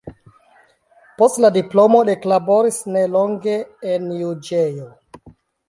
Post la diplomo li eklaboris nelonge en juĝejo.